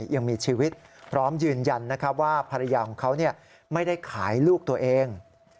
ยังมีชีวิตพร้อมยืนยันว่าภรรยาของเขาไม่ได้ขายลูกตัวเอง